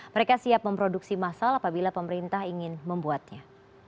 mereka siap memproduksi masal apabila pemerintah ingin membuatnya